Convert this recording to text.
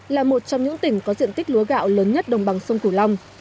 là một trong những tỉnh có diện tích lúa gạo lớn nhất đồng bằng sông cửu long